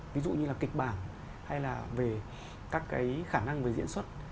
ví dụ như là kịch bản hay là về các cái khả năng về diễn xuất